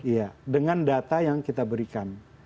iya dengan data yang kita berikan